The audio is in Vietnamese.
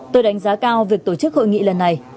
tôi đánh giá cao việc tổ chức hội nghị lần này